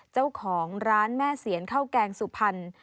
เจ้าของร้านแม่เสียนข้าวแกงสุพรรณ